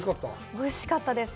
おいしかったです。